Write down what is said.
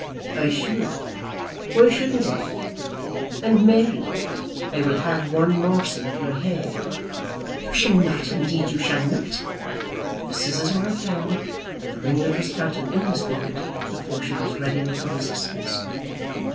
"I should. Why shouldn't I? And, Mary, I will have one morsel of your hair." "You shall not; indeed you shall not!" But the scissors were at hand, and the ringlet was cut and in his pocket before she was ready with her resistance.